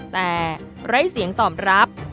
แต่ไร้เสียงตอบรับ